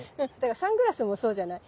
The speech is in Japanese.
サングラスもそうじゃない。